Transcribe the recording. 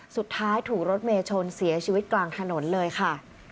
สุดท้ายถูกรถเมย์ชนเสียชีวิตกลางถนนเลยค่ะ